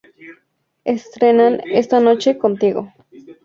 Estrenan "¡Esta noche contigo!